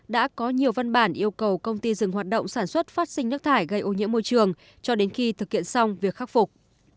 đã có nhiều văn bản yêu cầu công ty dừng hoạt động sản xuất phát sinh nước thải gây ô nhiễm môi trường cho đến khi thực hiện xong việc khắc phục